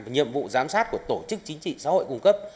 nhiệm vụ giám sát của tổ chức chính trị xã hội cung cấp